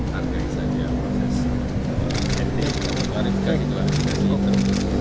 hargai saja proses etik yang memperbariskan